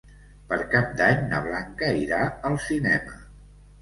Per Cap d'Any na Blanca irà al cinema.